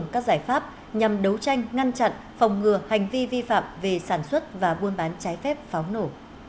các giải pháp nhằm đấu tranh ngăn chặn phòng ngừa hành vi vi phạm về sản xuất và buôn bán trái phép pháo nổ